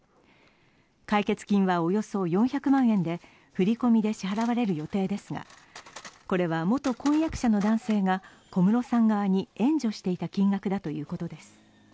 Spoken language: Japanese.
解決金はおよそ４００万円で振り込みで支払われる予定ですがこれは元婚約者の男性が小室さん側に援助していた金額だということです。